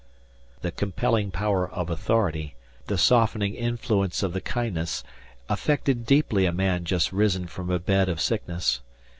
The compelling power of authority, the softening influence of the kindness affected deeply a man just risen from a bed of sickness.